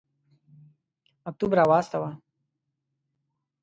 مکتوب را واستاوه.